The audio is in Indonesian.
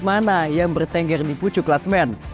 kemana yang bertengger di pucu klasmen